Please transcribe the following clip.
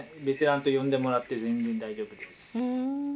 ベテランと呼んでもらって全然大丈夫です。